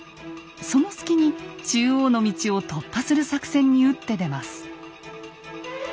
その隙に中央の道を突破する作戦に打って出ます。